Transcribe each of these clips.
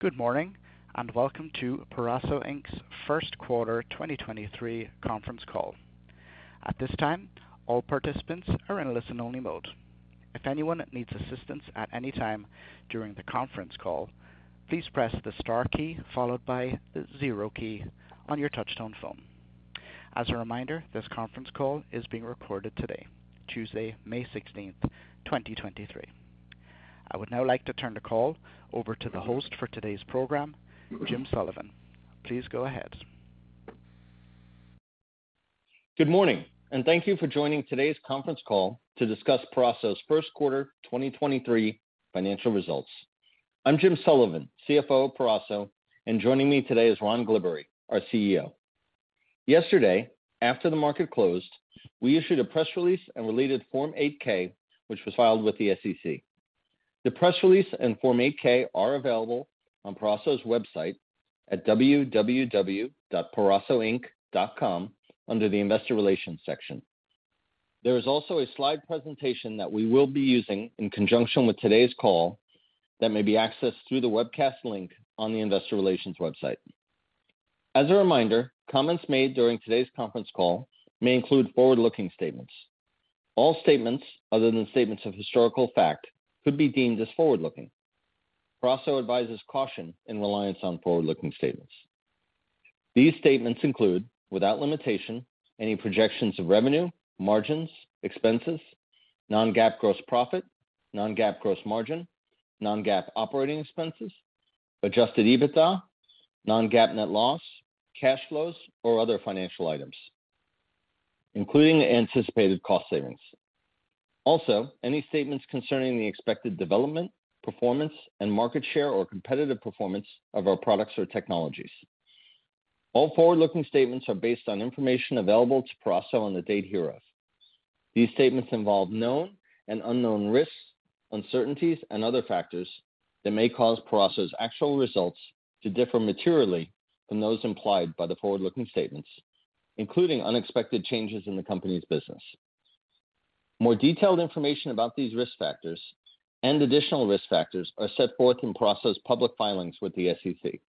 Good morning, and welcome to Peraso Inc.'s first quarter 2023 conference call. At this time, all participants are in a listen-only mode. If anyone needs assistance at any time during the conference call, please press the star key followed by the zero key on your touch tone phone. As a reminder, this conference call is being recorded today, Tuesday, May 16th, 2023. I would now like to turn the call over to the host for today's program, Jim Sullivan. Please go ahead. Good morning, thank you for joining today's conference call to discuss Peraso's first-quarter 2023 financial results. I'm Jim Sullivan, CFO of Peraso, and joining me today is Ron Glibbery, our CEO. Yesterday, after the market closed, we issued a press release and related Form 8-K, which was filed with the SEC. The press release and Form 8-K are available on Peraso's website at www.perasoinc.com under the Investor Relations section. There is also a slide presentation that we will be using in conjunction with today's call that may be accessed through the webcast link on the investor relations website. As a reminder, comments made during today's conference call may include forward-looking statements. All statements other than statements of historical fact could be deemed as forward-looking. Peraso advises caution in reliance on forward-looking statements. These statements include, without limitation, any projections of revenue, margins, expenses, non-GAAP gross profit, non-GAAP gross margin, non-GAAP operating expenses, Adjusted EBITDA, non-GAAP net loss, cash flows, or other financial items, including the anticipated cost savings. Also, any statements concerning the expected development, performance, and market share or competitive performance of our products or technologies. All forward-looking statements are based on information available to Peraso on the date hereof. These statements involve known and unknown risks, uncertainties, and other factors that may cause Peraso's actual results to differ materially from those implied by the forward-looking statements, including unexpected changes in the company's business. More detailed information about these risk factors and additional risk factors are set forth in Peraso's public filings with the SEC.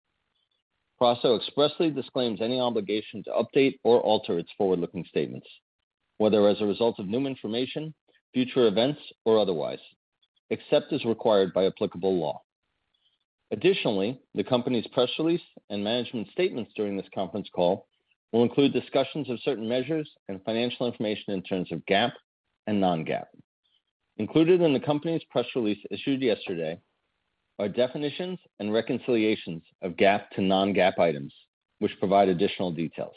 Peraso expressly disclaims any obligation to update or alter its forward-looking statements, whether as a result of new information, future events, or otherwise, except as required by applicable law. Additionally, the company's press release and management statements during this conference call will include discussions of certain measures and financial information in terms of GAAP and non-GAAP. Included in the company's press release issued yesterday are definitions and reconciliations of GAAP to non-GAAP items, which provide additional details.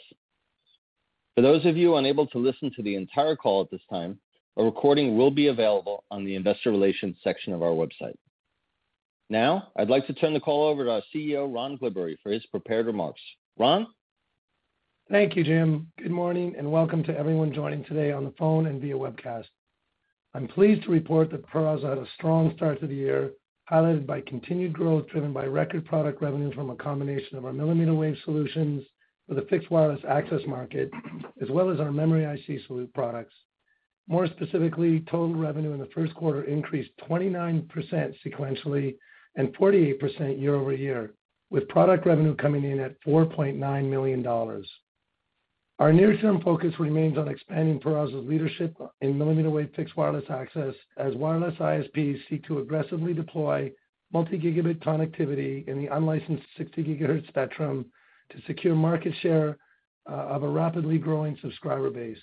For those of you unable to listen to the entire call at this time, a recording will be available on the investor relations section of our website. Now, I'd like to turn the call over to our CEO, Ron Glibbery, for his prepared remarks. Ron? Thank you, Jim. Good morning and welcome to everyone joining today on the phone and via webcast. I'm pleased to report that Peraso had a strong start to the year, highlighted by continued growth driven by record product revenues from a combination of our millimeter wave solutions for the fixed wireless access market, as well as our memory IC products. More specifically, total revenue in the first quarter increased 29% sequentially and 48% year-over-year, with product revenue coming in at $4.9 million. Our near-term focus remains on expanding Peraso's leadership in millimeter wave fixed wireless access as wireless ISPs seek to aggressively deploy multi-gigabit connectivity in the unlicensed 60 GHz spectrum to secure market share of a rapidly growing subscriber base.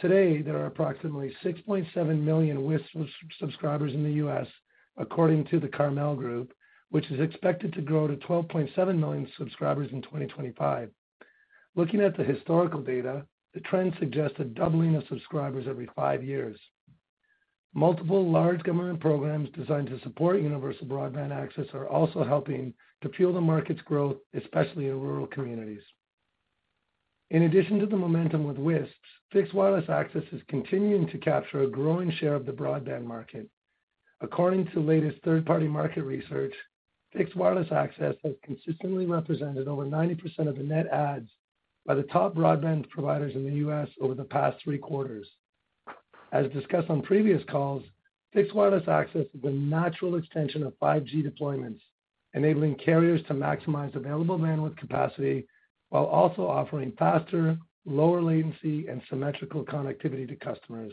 Today, there are approximately 6.7 million WISP subscribers in the U.S., according to The Carmel Group, which is expected to grow to 12.7 million subscribers in 2025. Looking at the historical data, the trend suggests a doubling of subscribers every 5 years. Multiple large government programs designed to support universal broadband access are also helping to fuel the market's growth, especially in rural communities. In addition to the momentum with WISPs, fixed wireless access is continuing to capture a growing share of the broadband market. According to latest third-party market research, fixed wireless access has consistently represented over 90% of the net adds by the top broadband providers in the U.S. over the past three quarters. As discussed on previous calls, fixed wireless access is a natural extension of 5G deployments, enabling carriers to maximize available bandwidth capacity while also offering faster, lower latency, and symmetrical connectivity to customers.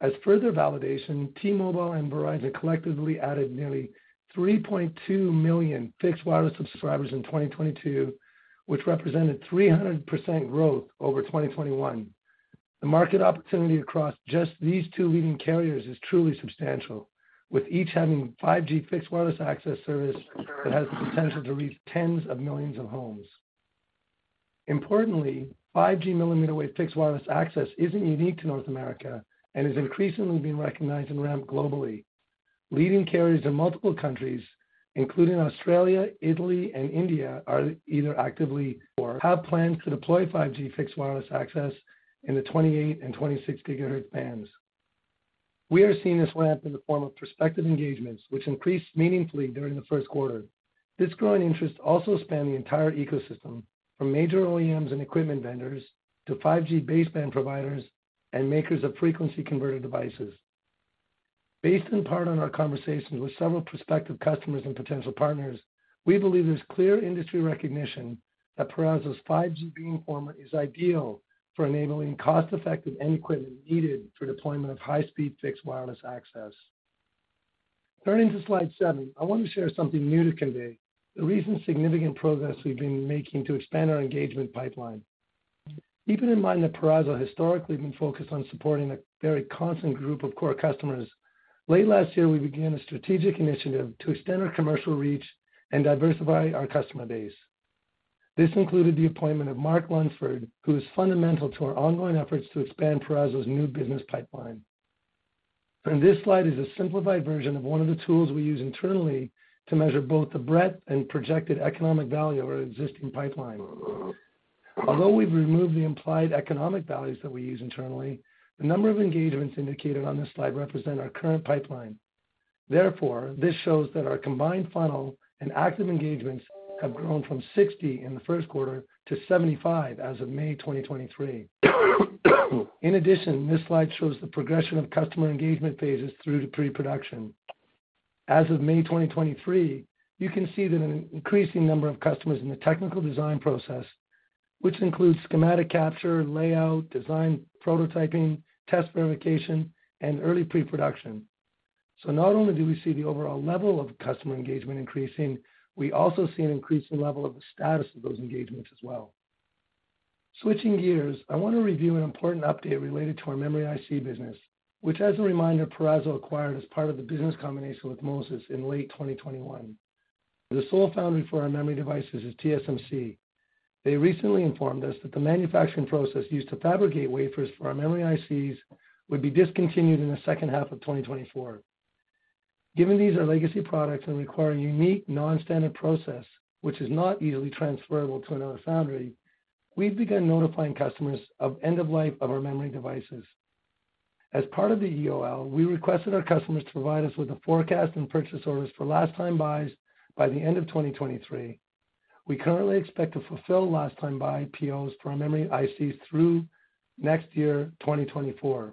As further validation, T-Mobile and Verizon collectively added nearly $3.2 million fixed wireless subscribers in 2022, which represented 300% growth over 2021. The market opportunity across just these two leading carriers is truly substantial, with each having 5G fixed wireless access service that has the potential to reach tens of millions of homes. Importantly, 5G millimeter wave fixed wireless access isn't unique to North America and is increasingly being recognized and ramped globally. Leading carriers in multiple countries, including Australia, Italy, and India, are either actively or have plans to deploy 5G fixed wireless access in the 28 GHz and 26 GHz bands. We are seeing this ramp in the form of prospective engagements, which increased meaningfully during the first quarter. This growing interest also spanned the entire ecosystem, from major OEMs and equipment vendors to 5G baseband providers and makers of frequency converter devices. Based in part on our conversations with several prospective customers and potential partners, we believe there's clear industry recognition that Peraso's 5G beamformer is ideal for enabling cost-effective end equipment needed for deployment of high-speed fixed wireless access. Turning to slide seven, I want to share something new today. The recent significant progress we've been making to expand our engagement pipeline. Keeping in mind that Peraso historically has been focused on supporting a very constant group of core customers, late last year, we began a strategic initiative to extend our commercial reach and diversify our customer base. This included the appointment of Mark Lunsford, who is fundamental to our ongoing efforts to expand Peraso's new business pipeline. On this slide is a simplified version of one of the tools we use internally to measure both the breadth and projected economic value of our existing pipeline. Although we've removed the implied economic values that we use internally, the number of engagements indicated on this slide represent our current pipeline. This shows that our combined funnel and active engagements have grown from 60 in the first quarter to 75 as of May 2023. This slide shows the progression of customer engagement phases through to pre-production. As of May 2023, you can see that an increasing number of customers in the technical design process, which includes schematic capture, layout, design, prototyping, test verification, and early pre-production. Not only do we see the overall level of customer engagement increasing, we also see an increasing level of the status of those engagements as well. Switching gears, I want to review an important update related to our memory IC business, which as a reminder, Peraso acquired as part of the business combination with MoSys, Inc. in late 2021. The sole foundry for our memory devices is TSMC. They recently informed us that the manufacturing process used to fabricate wafers for our memory ICs would be discontinued in the second half of 2024. Given these are legacy products and require a unique non-standard process, which is not easily transferable to another foundry, we've begun notifying customers of end of life of our memory devices. As part of the EOL, we requested our customers to provide us with a forecast and purchase orders for last time buys by the end of 2023. We currently expect to fulfill last time buy POs for our memory ICs through next year, 2024.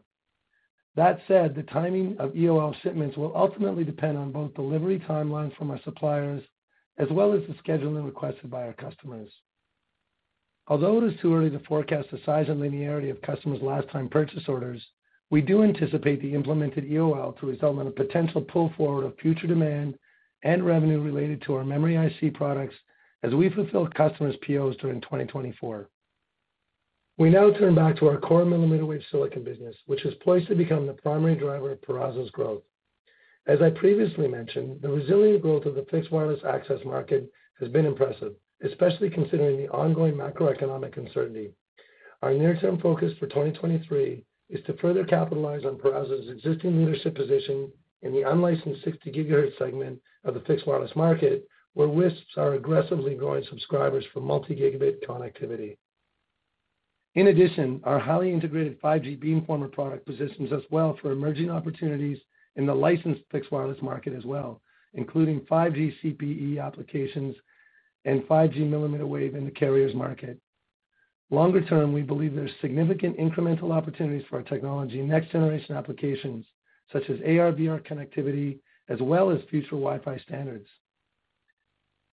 That said, the timing of EOL shipments will ultimately depend on both delivery timelines from our suppliers, as well as the scheduling requested by our customers. It is too early to forecast the size and linearity of customers' last time purchase orders, we do anticipate the implemented EOL to result in a potential pull forward of future demand and revenue related to our memory IC products as we fulfill customers' POs during 2024. We now turn back to our core millimeter wave silicon business, which is poised to become the primary driver of Peraso's growth. As I previously mentioned, the resilient growth of the fixed wireless access market has been impressive, especially considering the ongoing macroeconomic uncertainty. Our near-term focus for 2023 is to further capitalize on Peraso's existing leadership position in the unlicensed 60 GHz segment of the fixed wireless market, where WISPs are aggressively growing subscribers for multi-gigabit connectivity. Our highly integrated 5G beamformer product positions us well for emerging opportunities in the licensed fixed wireless market as well, including 5G CPE applications and 5G millimeter wave in the carriers market. Longer term, we believe there's significant incremental opportunities for our technology in next generation applications such as AR/VR connectivity as well as future Wi-Fi standards.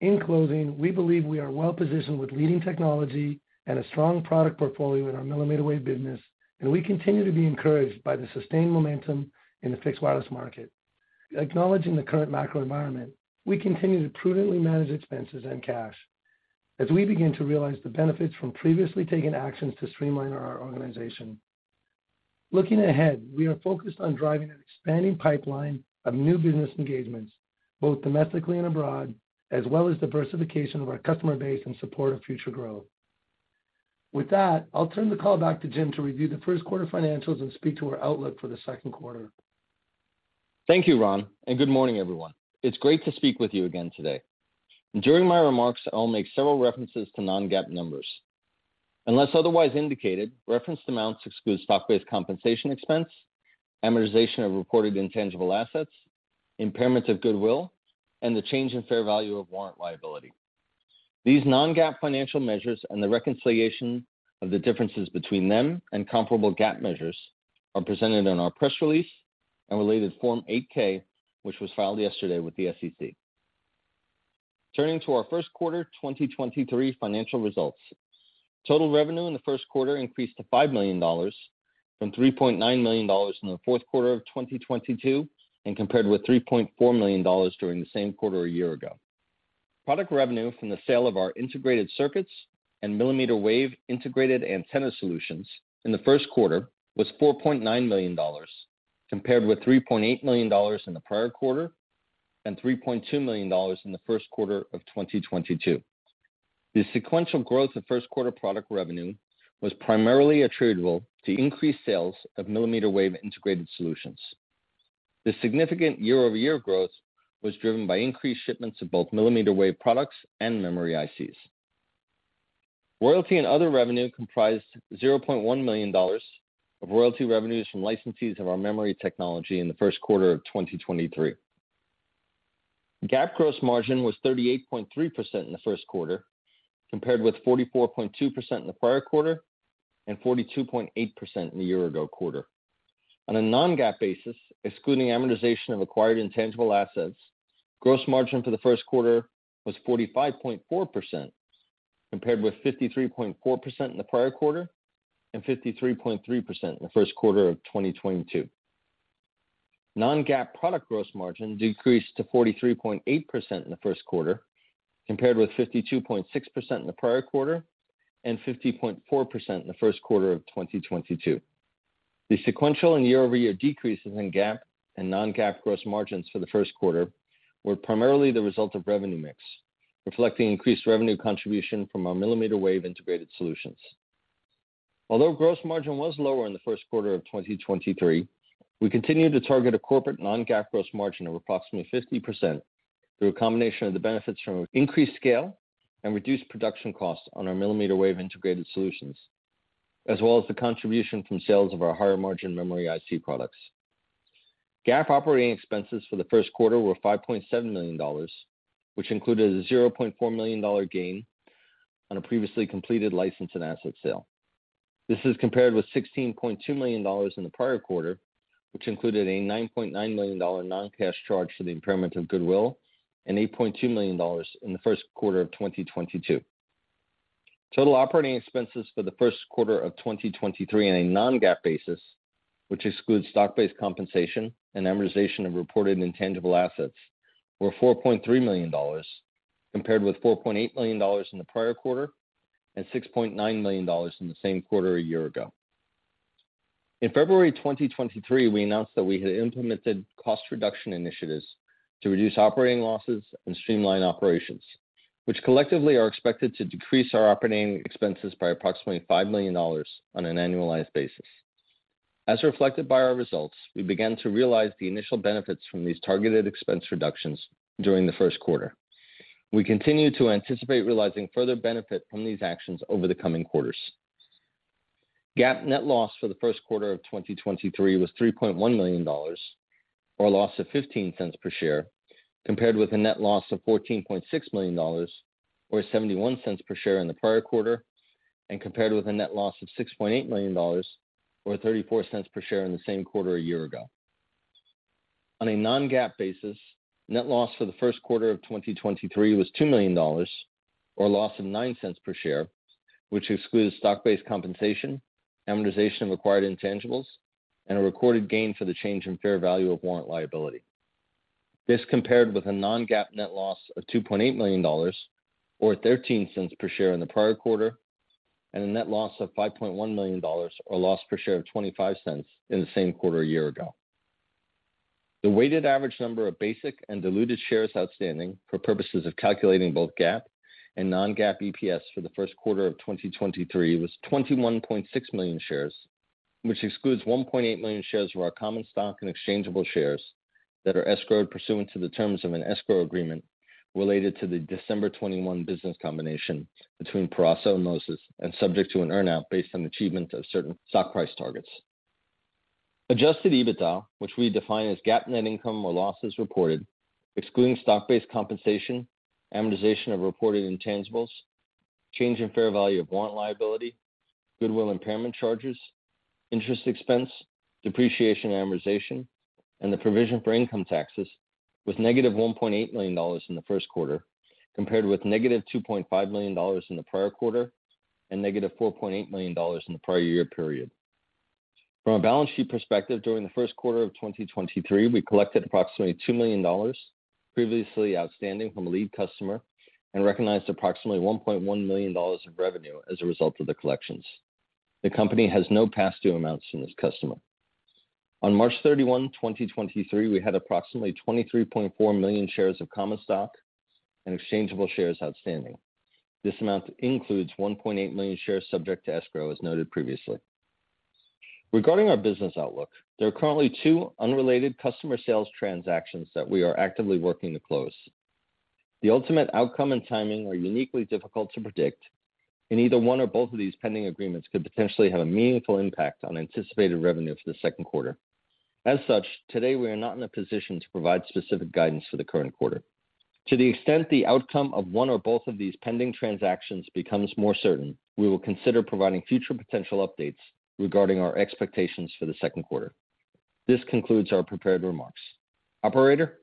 In closing, we believe we are well-positioned with leading technology and a strong product portfolio in our millimeter wave business, and we continue to be encouraged by the sustained momentum in the fixed wireless market. Acknowledging the current macroenvironment, we continue to prudently manage expenses and cash as we begin to realize the benefits from previously taking actions to streamline our organization. Looking ahead, we are focused on driving an expanding pipeline of new business engagements, both domestically and abroad, as well as diversification of our customer base in support of future growth. With that, I'll turn the call back to Jim to review the first quarter financials and speak to our outlook for the second quarter. Thank you, Ron. Good morning, everyone. It's great to speak with you again today. During my remarks, I'll make several references to non-GAAP numbers. Unless otherwise indicated, referenced amounts exclude stock-based compensation expense, amortization of reported intangible assets, impairment of goodwill, and the change in fair value of warrant liability. These non-GAAP financial measures and the reconciliation of the differences between them and comparable GAAP measures are presented in our press release and related Form 8-K, which was filed yesterday with the SEC. Turning to our first quarter 2023 financial results. Total revenue in the first quarter increased to $5 million from $3.9 million in the fourth quarter of 2022 and compared with $3.4 million during the same quarter a year ago. Product revenue from the sale of our integrated circuits and millimeter wave integrated antenna solutions in the first quarter was $4.9 million, compared with $3.8 million in the prior quarter and $3.2 million in the first quarter of 2022. The sequential growth of first quarter product revenue was primarily attributable to increased sales of millimeter wave integrated solutions. The significant year-over-year growth was driven by increased shipments of both millimeter wave products and memory ICs. Royalty and other revenue comprised $0.1 million of royalty revenues from licensees of our memory technology in the first quarter of 2023. GAAP gross margin was 38.3% in the first quarter, compared with 44.2% in the prior quarter and 42.8% in the year ago quarter. On a non-GAAP basis, excluding amortization of acquired intangible assets, gross margin for the first quarter was 45.4%, compared with 53.4% in the prior quarter and 53.3% in the first quarter of 2022. Non-GAAP product gross margin decreased to 43.8% in the first quarter, compared with 52.6% in the prior quarter and 50.4% in the first quarter of 2022. The sequential and year-over-year decreases in GAAP and non-GAAP gross margins for the first quarter were primarily the result of revenue mix, reflecting increased revenue contribution from our millimeter wave integrated solutions. Although gross margin was lower in the first quarter of 2023, we continued to target a corporate non-GAAP gross margin of approximately 50% through a combination of the benefits from increased scale and reduced production costs on our millimeter wave integrated solutions, as well as the contribution from sales of our higher-margin memory IC products. GAAP operating expenses for the first quarter were $5.7 million, which included a $0.4 million gain on a previously completed license and asset sale. This is compared with $16.2 million in the prior quarter, which included a $9.9 million non-cash charge for the impairment of goodwill and $8.2 million in the first quarter of 2022. Total operating expenses for the first quarter of 2023 on a non-GAAP basis, which excludes stock-based compensation and amortization of reported intangible assets, were $4.3 million, compared with $4.8 million in the prior quarter and $6.9 million in the same quarter a year ago. In February 2023, we announced that we had implemented cost reduction initiatives to reduce operating losses and streamline operations, which collectively are expected to decrease our operating expenses by approximately $5 million on an annualized basis. As reflected by our results, we began to realize the initial benefits from these targeted expense reductions during the first quarter. We continue to anticipate realizing further benefit from these actions over the coming quarters. GAAP net loss for the first quarter of 2023 was $3.1 million, or a loss of $0.15 per share, compared with a net loss of $14.6 million or $0.71 per share in the prior quarter, and compared with a net loss of $6.8 million or $0.34 per share in the same quarter a year ago. On a non-GAAP basis, net loss for the first quarter of 2023 was $2 million or a loss of $0.09 per share, which excludes stock-based compensation, amortization of acquired intangibles, and a recorded gain for the change in fair value of warrant liability. This compared with a non-GAAP net loss of $2.8 million or $0.13 per share in the prior quarter, and a net loss of $5.1 million or loss per share of $0.25 in the same quarter a year ago. The weighted average number of basic and diluted shares outstanding for purposes of calculating both GAAP and non-GAAP EPS for the first quarter of 2023 was 21.6 million shares, which excludes 1.8 million shares of our common stock and exchangeable shares that are escrowed pursuant to the terms of an escrow agreement related to the December 21 business combination between Peraso and MoSys and subject to an earn out based on achievement of certain stock price targets. Adjusted EBITDA, which we define as GAAP net income or losses reported excluding stock-based compensation, amortization of reported intangibles, change in fair value of warrant liability, goodwill impairment charges, interest expense, depreciation amortization, and the provision for income taxes, was -$1.8 million in the first quarter, compared with -$2.5 million in the prior quarter and -$4.8 million in the prior year period. From a balance sheet perspective, during the first quarter of 2023, we collected approximately $2 million previously outstanding from a lead customer and recognized approximately $1.1 million of revenue as a result of the collections. The company has no past due amounts from this customer. On March 31, 2023, we had approximately 23.4 million shares of common stock and exchangeable shares outstanding. This amount includes 1.8 million shares subject to escrow, as noted previously. Regarding our business outlook, there are currently two unrelated customer sales transactions that we are actively working to close. The ultimate outcome and timing are uniquely difficult to predict, and either one or both of these pending agreements could potentially have a meaningful impact on anticipated revenue for the second quarter. As such, today we are not in a position to provide specific guidance for the current quarter. To the extent the outcome of one or both of these pending transactions becomes more certain, we will consider providing future potential updates regarding our expectations for the second quarter. This concludes our prepared remarks. Operator?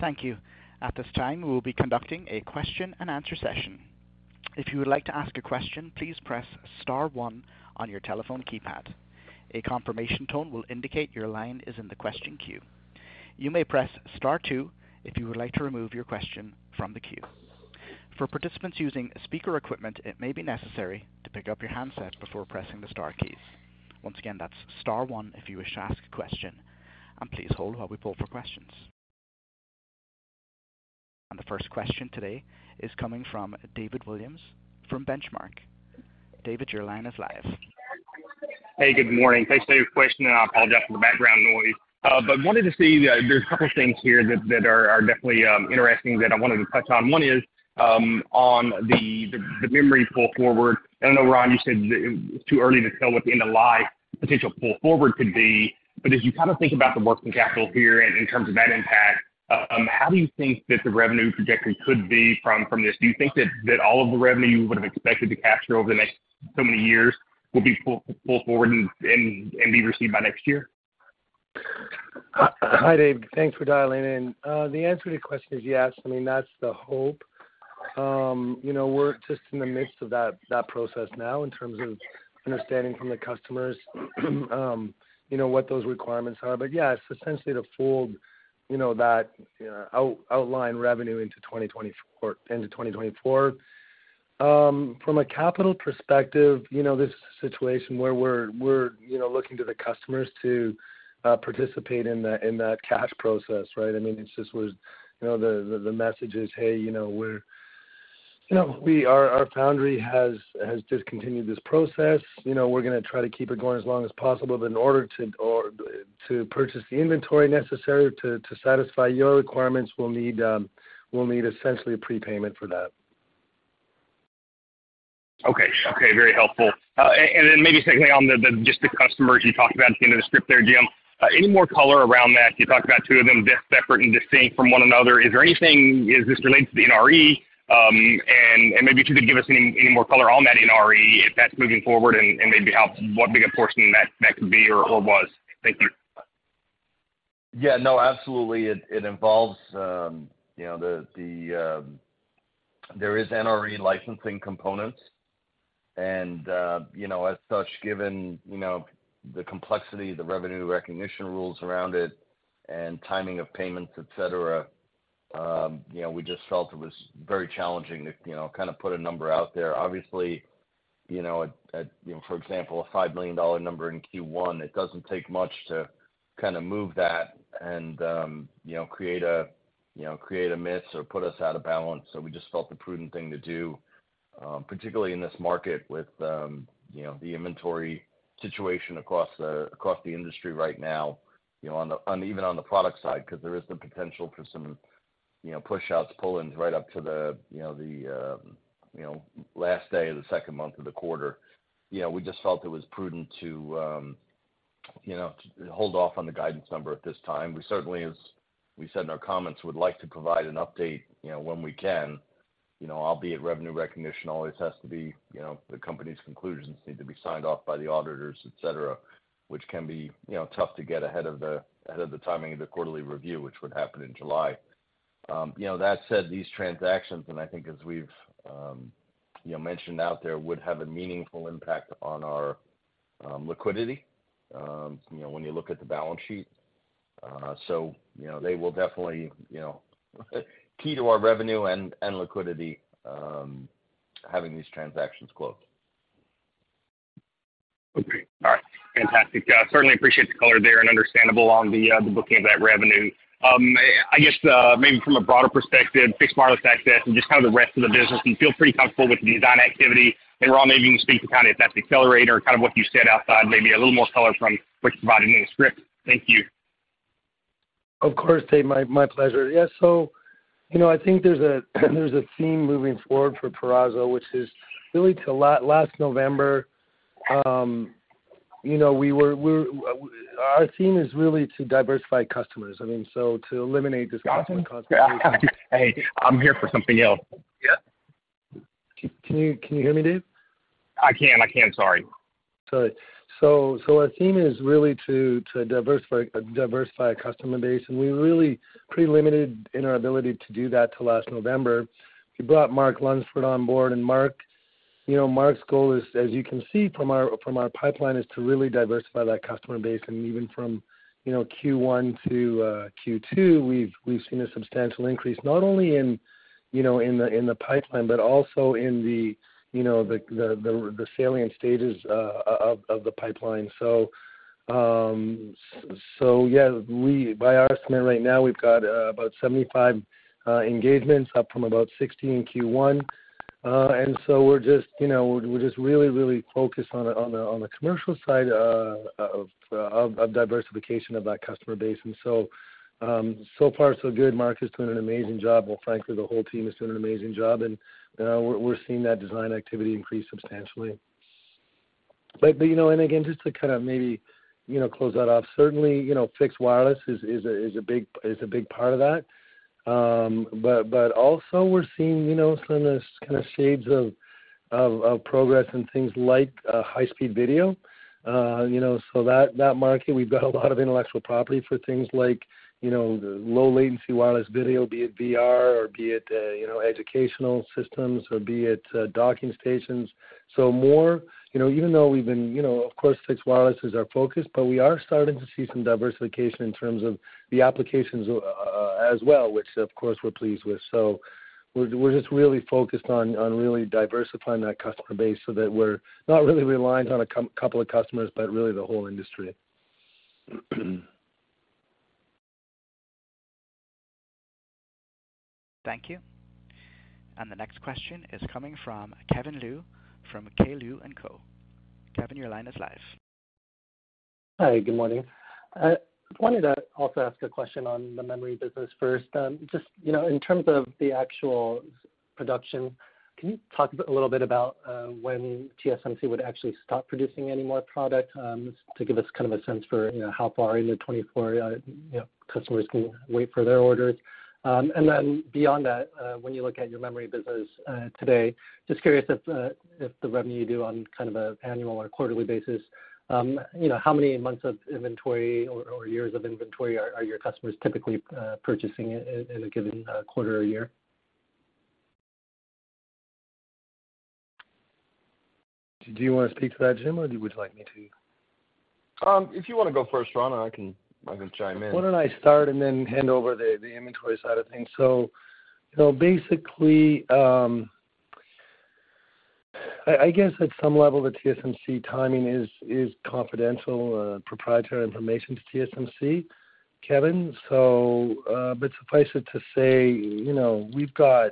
Thank you. At this time, we will be conducting a question and answer session. If you would like to ask a question, please press star one on your telephone keypad. A confirmation tone will indicate your line is in the question queue. You may press star two if you would like to remove your question from the queue. For participants using speaker equipment, it may be necessary to pick up your handset before pressing the star keys. Once again, that's star one if you wish to ask a question, please hold while we pull for questions. The first question today is coming from David Williams from The Benchmark Company. David, your line is live. Hey, good morning. Thanks, Dave. Question, I apologize for the background noise. Wanted to see there's a couple things here that are definitely interesting that I wanted to touch on. One is on the memory pull forward. I know Ron, you said that it's too early to tell what the end of life potential pull forward could be, but as you kind of think about the working capital here and in terms of that impact. How do you think that the revenue projection could be from this? Do you think that all of the revenue you would have expected to capture over the next so many years will be pulled forward and be received by next year? Hi, Dave. Thanks for dialing in. The answer to your question is yes. I mean, that's the hope. You know, we're just in the midst of that process now in terms of understanding from the customers, you know, what those requirements are. Yeah, it's essentially to fold, you know, that out-outline revenue into 2024. From a capital perspective, you know, this is a situation where we're, you know, looking to the customers to participate in that cash process, right? I mean, it's just was, you know, the message is, hey, you know, we're, you know, our foundry has discontinued this process. You know, we're gonna try to keep it going as long as possible, in order to purchase the inventory necessary to satisfy your requirements, we'll need essentially a prepayment for that. Okay. Okay. Very helpful. Then maybe secondly on the just the customers you talked about at the end of the script there, Jim. Any more color around that? You talked about two of them being separate and distinct from one another. Is there anything... Is this related to the NRE? Maybe if you could give us any more color on that NRE, if that's moving forward and maybe what bigger portion that could be or was. Thank you. No, absolutely. It involves, you know, the NRE licensing components and, you know, as such, given, you know, the complexity, the revenue recognition rules around it and timing of payments, et cetera, you know, we just felt it was very challenging to, you know, kind of put a number out there. Obviously, you know, a, you know, for example, a $5 million number in Q1, it doesn't take much to kinda move that and, you know, create a, you know, miss or put us out of balance. We just felt the prudent thing to do, particularly in this market with, you know, the inventory situation across the industry right now, you know, on the... Even on the product side, 'cause there is the potential for some, you know, push outs, pull-ins right up to the, you know, the, you know, last day of the second month of the quarter. You know, we just felt it was prudent to, you know, to hold off on the guidance number at this time. We certainly, as we said in our comments, would like to provide an update, you know, when we can. You know, albeit revenue recognition always has to be, you know, the company's conclusions need to be signed off by the auditors, et cetera, which can be, you know, tough to get ahead of the timing of the quarterly review, which would happen in July. You know, that said, these transactions, and I think as we've, you know, mentioned out there, would have a meaningful impact on our liquidity, you know, when you look at the balance sheet. You know, they will definitely, you know, key to our revenue and liquidity, having these transactions closed. Okay. All right. Fantastic. I certainly appreciate the color there and understandable on the booking of that revenue. I guess, maybe from a broader perspective, fixed wireless access and just kind of the rest of the business, you feel pretty comfortable with the design activity. Ron, maybe you can speak to kind of if that's accelerator, kind of what you said outside, maybe a little more color from what you provided in the script. Thank you. Of course, Dave. My pleasure. Yeah. You know, I think there's a, there's a theme moving forward for Peraso, which is really to last November, you know, Our theme is really to diversify customers. I mean, so to eliminate this customer concentration- Got it. Hey, I'm here for something else. Yeah. Can you hear me, Dave? I can. Sorry. Sorry. Our theme is really to diversify customer base. We really pretty limited in our ability to do that till last November. We brought Mark Lunsford on board, and Mark, you know, Mark's goal is, as you can see from our pipeline, is to really diversify that customer base. Even from, you know, Q1 to Q2, we've seen a substantial increase, not only in, you know, in the pipeline, but also in the, you know, the salient stages of the pipeline. Yeah, by our estimate, right now we've got about 75 engagements, up from about 60 in Q1. We're just, you know, really focused on the commercial side of diversification of that customer base. So far so good. Mark is doing an amazing job. Well, frankly, the whole team is doing an amazing job. We're seeing that design activity increase substantially. You know, and again, just to kind of maybe, you know, close that off, certainly, you know, fixed wireless is a big part of that. Also we're seeing, you know, some of this kind of shades of progress and things like high-speed video. You know, so that market, we've got a lot of intellectual property for things like, you know, low latency wireless video, be it VR or be it, you know, educational systems or be it docking stations. More, you know, even though we've been, you know, of course, fixed wireless is our focus, but we are starting to see some diversification in terms of the applications, as well, which of course we're pleased with. We're just really focused on really diversifying that customer base so that we're not really reliant on a couple of customers, but really the whole industry. Thank you. The next question is coming from Kevin Liu from K. Liu and Co. Kevin, your line is live. Hi, good morning. I wanted to also ask a question on the memory business first. Just, you know, in terms of the actual production, can you talk a little bit about when TSMC would actually stop producing any more product, just to give us kind of a sense for, you know, how far into 2024, you know, customers can wait for their orders. Then beyond that, when you look at your memory business today, just curious if the revenue you do on kind of a annual or quarterly basis, you know, how many months of inventory or years of inventory are your customers typically purchasing in a given quarter or year? Do you want to speak to that, Jim, or would you like me to? If you wanna go first, Ron, I can chime in. Why don't I start and then hand over the inventory side of things. You know, basically, I guess at some level the TSMC timing is confidential, proprietary information to TSMC, Kevin. Suffice it to say, you know, we've got,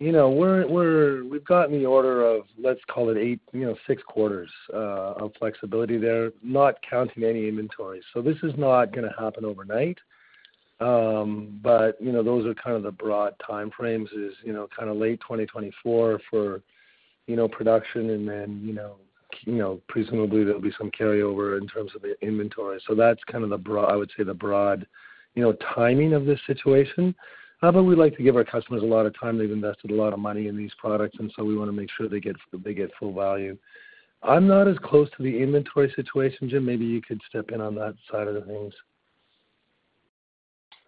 you know, we've got in the order of, let's call it eight, you know, six quarters of flexibility there, not counting any inventory. This is not gonna happen overnight. You know, those are kind of the broad time frames is, you know, kinda late 2024 for, you know, production and then, you know, presumably there'll be some carryover in terms of the inventory. That's kind of the broad, I would say the broad, you know, timing of this situation. We like to give our customers a lot of time. They've invested a lot of money in these products, and so we wanna make sure they get full value. I'm not as close to the inventory situation, Jim. Maybe you could step in on that side of the things.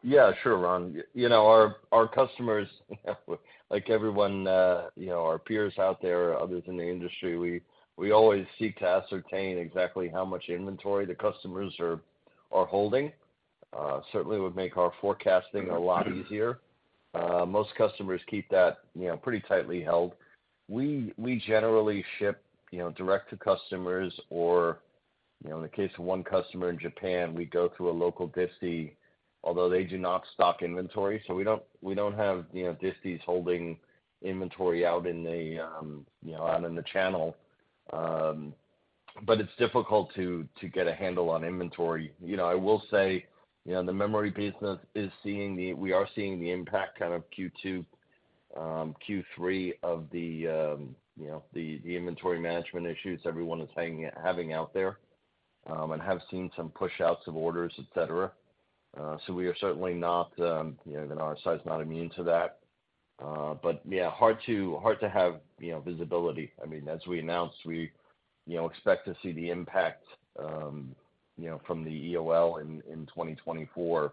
Yeah, sure, Ron. You know, our customers, like everyone, you know, our peers out there, others in the industry, we always seek to ascertain exactly how much inventory the customers are holding. Certainly would make our forecasting a lot easier. Most customers keep that, you know, pretty tightly held. We generally ship, you know, direct to customers or, you know, in the case of one customer in Japan, we go through a local distie, although they do not stock inventory, so we don't have, you know, disties holding inventory out in the, you know, out in the channel. It's difficult to get a handle on inventory. You know, I will say, you know, the memory business is seeing the impact kind of Q2, Q3 of the, you know, the inventory management issues everyone is having out there, and have seen some pushouts of orders, et cetera. We are certainly not, you know, our side's not immune to that. Yeah, hard to have, you know, visibility. I mean, as we announced, we, you know, expect to see the impact, you know, from the EOL in 2024,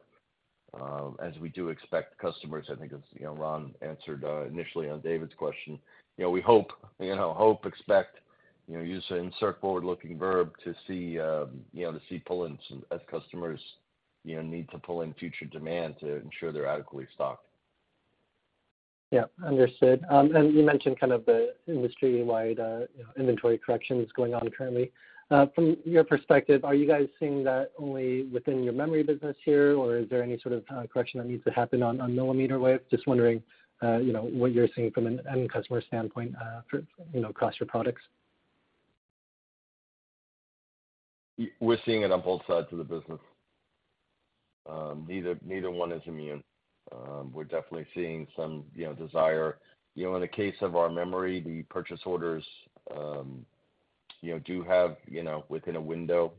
as we do expect customers, I think as, you know, Ron answered, initially on David's question. You know, we hope, you know, hope, expect, you know, use an insert forward-looking verb to see, you know, to see pull-ins as customers, you know, need to pull in future demand to ensure they're adequately stocked. Yeah. Understood. You mentioned kind of the industry-wide, you know, inventory corrections going on currently. From your perspective, are you guys seeing that only within your memory business here, or is there any sort of correction that needs to happen on millimeter wave? Just wondering, you know, what you're seeing from an end customer standpoint, for, you know, across your products. We're seeing it on both sides of the business. Neither one is immune. We're definitely seeing some, you know, desire. In the case of our memory, the purchase orders, you know, do have, you know, within a window,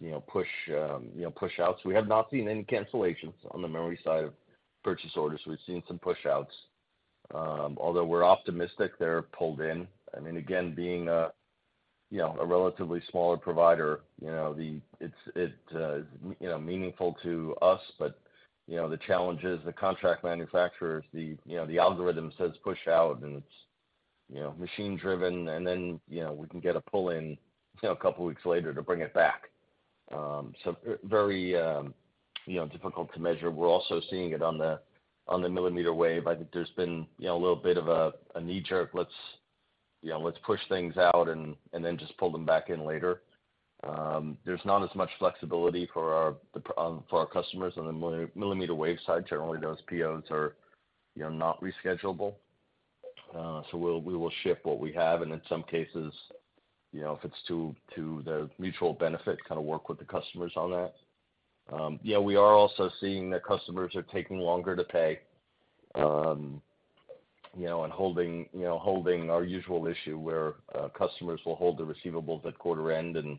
you know, push, you know, pushouts. We have not seen any cancellations on the memory side of purchase orders. We've seen some pushouts. Although we're optimistic they're pulled in. I mean, again, being a, you know, a relatively smaller provider, you know, it's, it, you know, meaningful to us, but, you know, the challenge is the contract manufacturers, the, you know, the algorithm says push out, and it's, you know, machine driven, and then, you know, we can get a pull-in, you know, a couple of weeks later to bring it back. Very, you know, difficult to measure. We're also seeing it on the millimeter wave. I think there's been, you know, a little bit of a knee-jerk, let's, you know, let's push things out and then just pull them back in later. There's not as much flexibility for our customers on the millimeter wave side. Generally, those POs are, you know, not reschedulable. We will ship what we have, and in some cases, you know, if it's to the mutual benefit, kinda work with the customers on that. Yeah, we are also seeing that customers are taking longer to pay, and holding our usual issue where customers will hold the receivables at quarter end, and,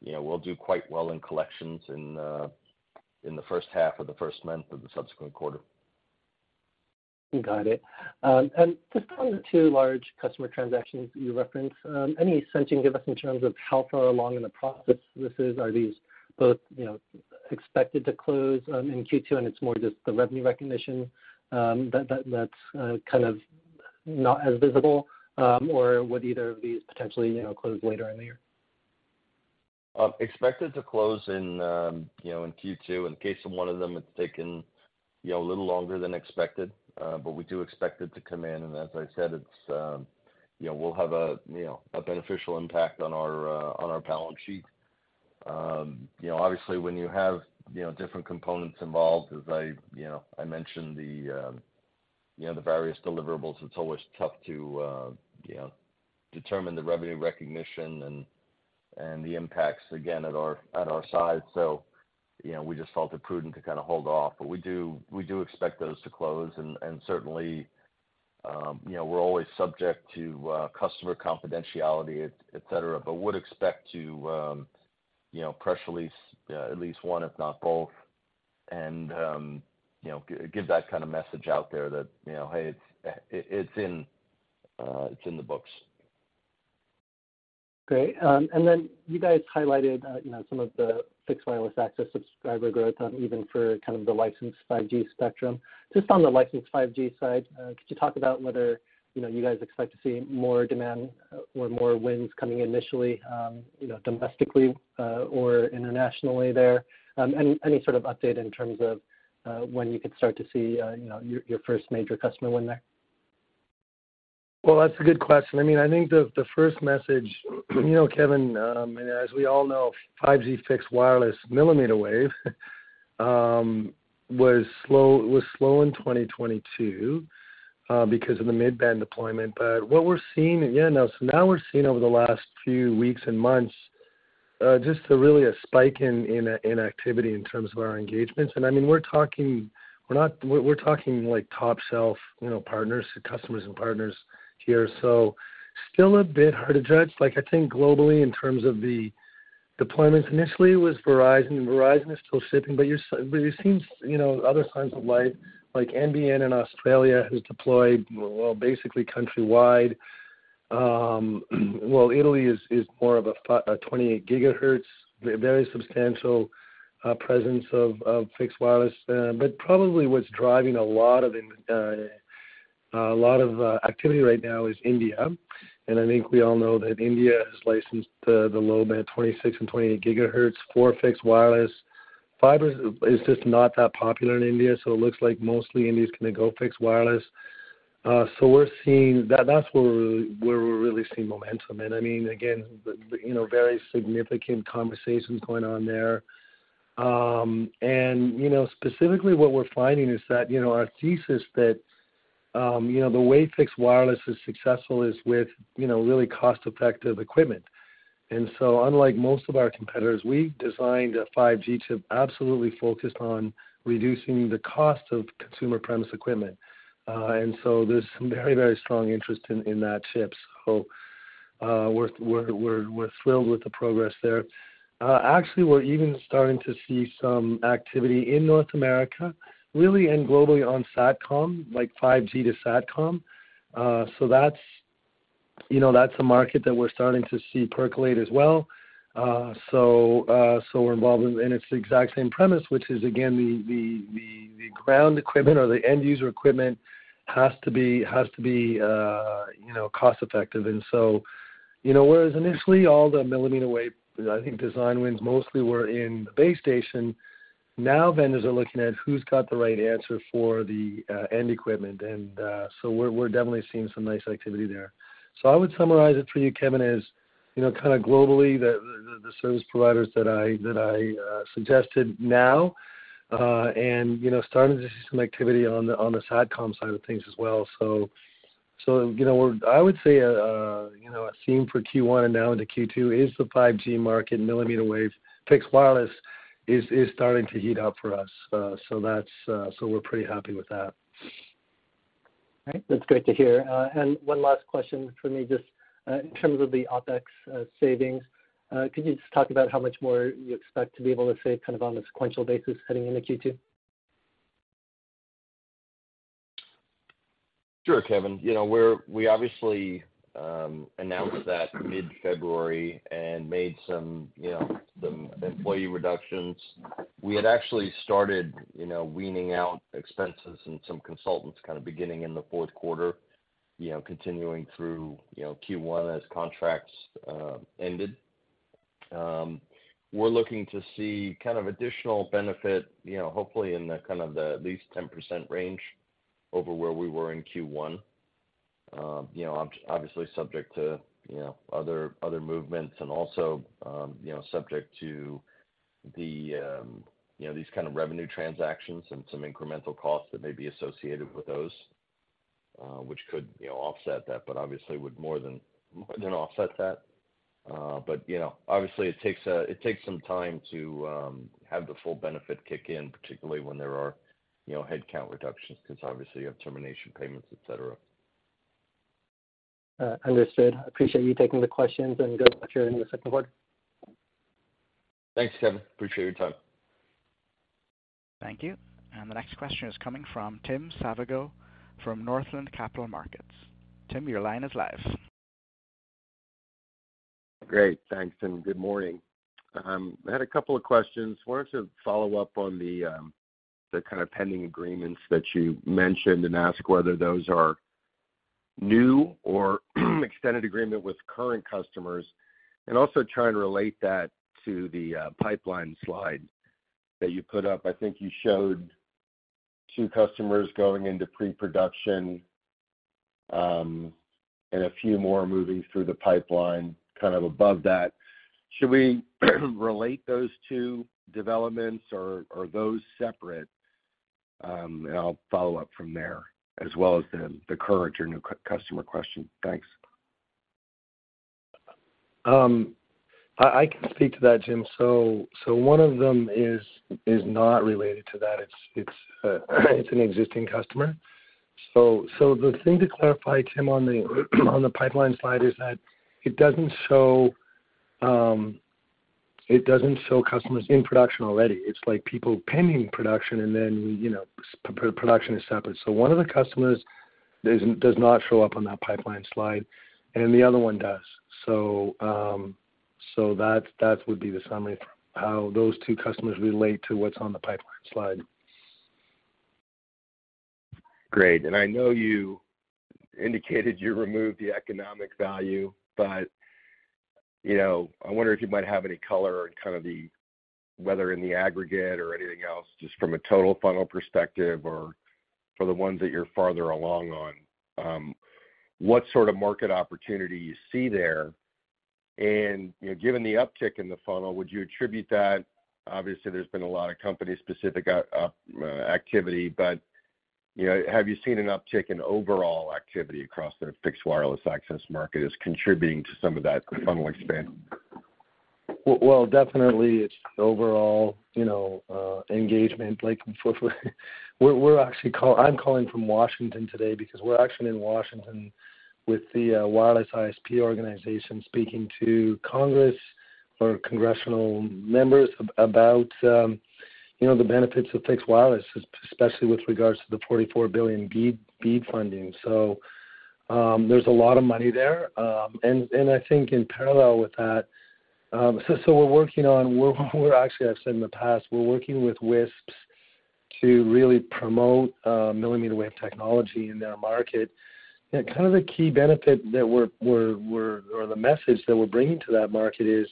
you know, we'll do quite well in collections in the first half or the first month of the subsequent quarter. Got it. Just on the two large customer transactions that you referenced, any sense you can give us in terms of how far along in the process this is? Are these both, you know, expected to close in Q2, and it's more just the revenue recognition that's kind of not as visible? Or would either of these potentially, you know, close later in the year? Expected to close in, you know, in Q2. In the case of one of them, it's taken, you know, a little longer than expected, but we do expect it to come in, and as I said, it's, you know, we'll have a, you know, a beneficial impact on our balance sheet. You know, obviously, when you have, you know, different components involved, as I, you know, I mentioned the, You know, the various deliverables, it's always tough to, you know, determine the revenue recognition and the impacts again at our side. You know, we just felt it prudent to kinda hold off. We do expect those to close and certainly, you know, we're always subject to customer confidentiality, et cetera. would expect to, you know, press release, at least one if not both, and, you know, give that kinda message out there that, you know, hey, it's in, it's in the books. Great. You guys highlighted, you know, some of the fixed wireless access subscriber growth, even for kind of the licensed 5G spectrum. Just on the licensed 5G side, could you talk about whether, you know, you guys expect to see more demand or more wins coming initially, you know, domestically or internationally there? Any, any sort of update in terms of when you could start to see, you know, your first major customer win there? Well, that's a good question. I mean, I think the first message, you know, Kevin, as we all know, 5G fixed wireless millimeter wave, was slow in 2022, because of the mid-band deployment. What we're seeing, yeah, now so now we're seeing over the last few weeks and months, just a really a spike in activity in terms of our engagements. I mean, we're talking, we're talking like top self, you know, partners, customers and partners here. Still a bit hard to judge. Like, I think globally in terms of the deployments, initially it was Verizon. Verizon is still shipping, but you're seeing, you know, other signs of life, like NBN in Australia has deployed, well, basically countrywide. Well, Italy is more of a 28 GHz. Very substantial presence of fixed wireless. But probably what's driving a lot of it, a lot of activity right now is India. I think we all know that India has licensed the low band 26 and 28 GHz for fixed wireless. Fiber is just not that popular in India, so it looks like mostly India's gonna go fixed wireless. That's where we're really seeing momentum. I mean, again, the, you know, very significant conversations going on there. You know, specifically what we're finding is that, you know, our thesis that, you know, the way fixed wireless is successful is with, you know, really cost-effective equipment. Unlike most of our competitors, we designed a 5G chip absolutely focused on reducing the cost of consumer premise equipment. There's some very, very strong interest in that chip. We're thrilled with the progress there. Actually, we're even starting to see some activity in North America really and globally on Satcom, like 5G to Satcom. That's, you know, that's a market that we're starting to see percolate as well. We're involved in, and it's the exact same premise, which is again, the ground equipment or the end user equipment has to be, you know, cost effective. You know, whereas initially all the millimeter wave, I think design wins mostly were in the base station, now vendors are looking at who's got the right answer for the end equipment. So we're definitely seeing some nice activity there. I would summarize it for you, Kevin, as, you know, kinda globally the service providers that I suggested now, and, you know, starting to see some activity on the Satcom side of things as well. You know, I would say, you know, a theme for Q1 and now into Q2 is the 5G market and millimeter wave fixed wireless is starting to heat up for us. That's, so we're pretty happy with that. Right. That's great to hear. One last question from me, just, in terms of the OpEx savings. Could you just talk about how much more you expect to be able to save kind of on a sequential basis heading into Q2? Sure, Kevin. You know, we obviously announced that mid-February and made some, you know, some employee reductions. We had actually started, you know, weaning out expenses and some consultants kind of beginning in the fourth quarter, you know, continuing through, you know, Q1 as contracts ended. We're looking to see kind of additional benefit, you know, hopefully in the kind of the at least 10% range over where we were in Q1. You know, obviously subject to, you know, other movements and also, you know, subject to the, you know, these kind of revenue transactions and some incremental costs that may be associated with those, which could, you know, offset that, but obviously would more than offset that. You know, obviously it takes some time to have the full benefit kick in, particularly when there are, you know, headcount reductions because obviously you have termination payments, et cetera. understood. I appreciate you taking the questions and good luck here in the second quarter. Thanks, Kevin. Appreciate your time. Thank you. The next question is coming from Tim Savageaux from Northland Capital Markets. Tim, your line is live. Great. Thanks. Good morning. I had a couple of questions. Wanted to follow up on the kind of pending agreements that you mentioned and ask whether those are new or extended agreement with current customers, and also try and relate that to the pipeline slide that you put up. I think you showed two customers going into pre-production, and a few more moving through the pipeline, kind of above that. Should we relate those two developments or are those separate? I'll follow up from there, as well as the current or new customer question. Thanks. I can speak to that, Jim. One of them is not related to that. It's an existing customer. The thing to clarify, Tim, on the pipeline slide is that it doesn't show customers in production already. It's like people pending production and then, you know, production is separate. One of the customers does not show up on that pipeline slide, and the other one does. That would be the summary for how those two customers relate to what's on the pipeline slide. Great. I know you indicated you removed the economic value, but, you know, I wonder if you might have any color on kind of the, whether in the aggregate or anything else, just from a total funnel perspective or for the ones that you're farther along on, what sort of market opportunity you see there. You know, given the uptick in the funnel, would you attribute that... Obviously, there's been a lot of company-specific activity, but, you know, have you seen an uptick in overall activity across the fixed wireless access market is contributing to some of that funnel expansion? Well, definitely it's overall, you know, engagement. I'm calling from Washington today because we're actually in Washington with the wireless ISP organization, speaking to Congress or congressional members about, you know, the benefits of fixed wireless, especially with regards to the $44 billion BEAD funding. There's a lot of money there. I think in parallel with that, we're actually, I've said in the past, we're working with WISPs to really promote millimeter wave technology in their market. Kind of the key benefit that or the message that we're bringing to that market is,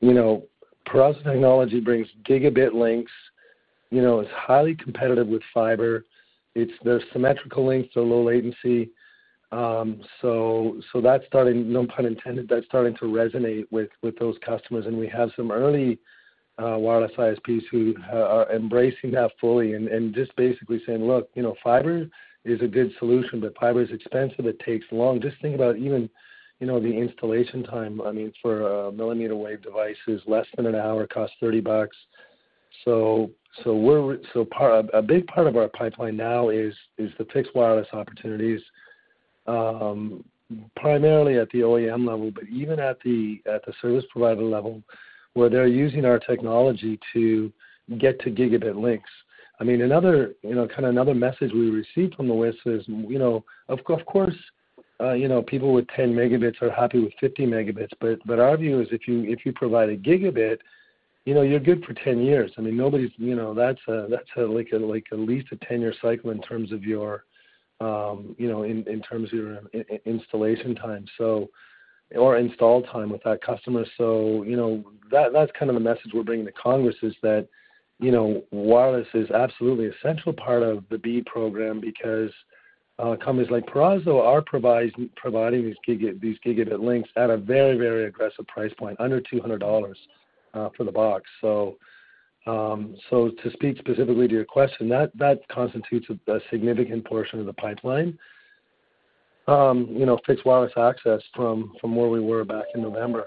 you know, Peraso technology brings gigabit links, you know, it's highly competitive with fiber. It's the symmetrical links, the low latency. That's starting, no pun intended, that's starting to resonate with those customers. We have some early wireless ISPs who are embracing that fully and just basically saying, "Look, you know, fiber is a good solution, but fiber is expensive, it takes long." Just think about even, you know, the installation time, I mean, for a millimeter wave device is less than an hour, costs $30. A big part of our pipeline now is the fixed wireless opportunities, primarily at the OEM level, but even at the service provider level, where they're using our technology to get to gigabit links. I mean, another, you know, kind of another message we received from the WISP is, you know, of course, you know, people with 10 Mb are happy with 50 Mb. Our view is if you provide a gigabit, you know, you're good for 10 years. I mean, nobody's, you know. That's a, like a least a 10-year cycle in terms of your, you know, in terms of your installation time, so, or install time with that customer. You know, that's kind of the message we're bringing to Congress, is that, you know, wireless is absolutely an essential part of the BEAD program because companies like Peraso are providing these gigabit links at a very, very aggressive price point, under $200 for the box. To speak specifically to your question, that constitutes a significant portion of the pipeline, you know, fixed wireless access from where we were back in November.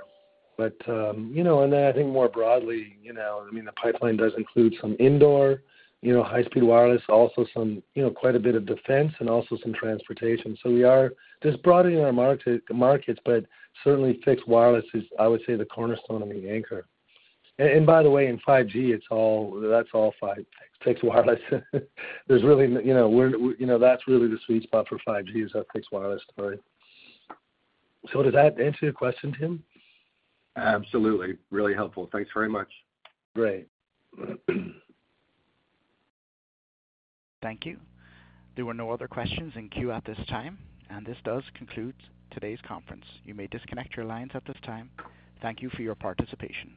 You know, and then I think more broadly, you know, I mean, the pipeline does include some indoor, you know, high-speed wireless, also some, you know, quite a bit of defense and also some transportation. We are just broadening our markets, but certainly fixed wireless is, I would say, the cornerstone and the anchor. By the way, in 5G it's all, that's all five, fixed wireless. There's really, you know, that's really the sweet spot for 5G, is that fixed wireless play. Does that answer your question, Tim? Absolutely. Really helpful. Thanks very much. Great. Thank you. There were no other questions in queue at this time. This does conclude today's conference. You may disconnect your lines at this time. Thank you for your participation.